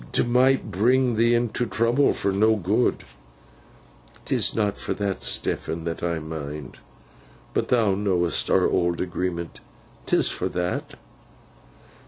'T might bring thee into trouble, fur no good.' ''Tis not for that, Stephen, that I mind. But thou know'st our old agreement. 'Tis for that.